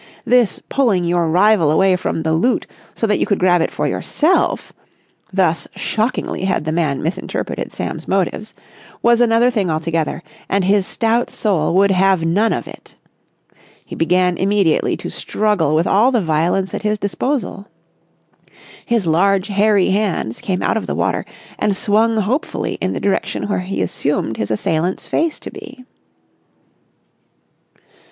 This pulling your rival away from the loot so that you could grab it yourself—thus shockingly had the man misinterpreted Sam's motives—was another thing altogether, and his stout soul would have none of it. He began immediately to struggle with all the violence at his disposal. His large, hairy hands came out of the water and swung hopefully in the direction where he assumed his assailant's face to be.